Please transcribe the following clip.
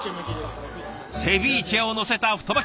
セビーチェをのせた太巻き。